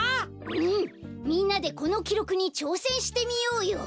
うんみんなでこのきろくにちょうせんしてみようよ。